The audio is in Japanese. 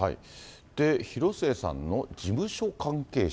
広末さんの事務所関係者。